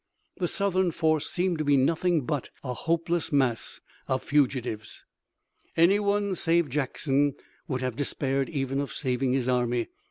The Southern force seemed to be nothing but a hopeless mass of fugitives. Anyone save Jackson would have despaired even of saving his army.